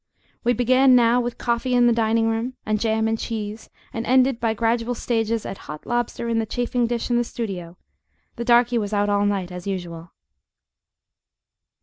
We began now with coffee in the dining room, and jam and cheese, and ended by gradual stages at hot lobster in the chafing dish in the studio the darky was out all night, as usual.